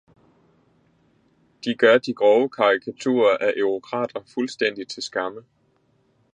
De gør de grove karikaturer af eurokrater fuldstændig til skamme.